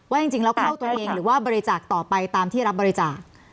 จริงแล้วเข้าตัวเองหรือว่าบริจาคต่อไปตามที่รับบริจาค